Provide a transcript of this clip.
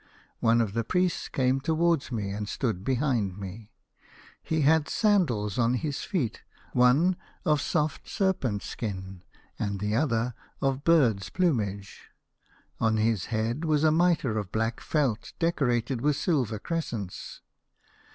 One of the priests came towards me and stood behind me. He had sandals on his feet, one of soft serpent skin and the other of birds' plumage. On his head was a mitre of black felt decorated with silver crescents.